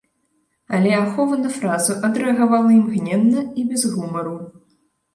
Але ахова на фразу адрэагавала імгненна і без гумару.